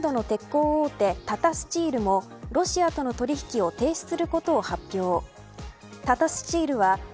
さらに２０日インドの鉄鋼大手タタ・スチールもロシアとの取引を停止することを発表。